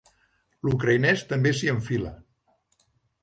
L'ucraïnès també s'hi enfila.